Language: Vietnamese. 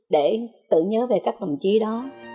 để tự nhớ về các đồng chí đó